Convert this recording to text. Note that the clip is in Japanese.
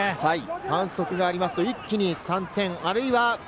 反則がありますと、一気に３点。